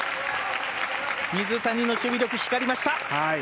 水谷の守備力、光りました。